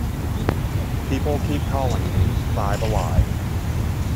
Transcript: People keep calling me Five Alive.